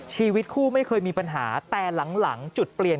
ชีวิตคู่ไม่เคยมีปัญหาแต่หลังจุดเปลี่ยน